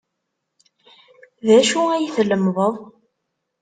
D acu ay tlemmdeḍ?